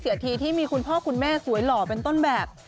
ทีที่มีคุณพ่อคุณแม่สวยหล่อเป็นต้นแบบ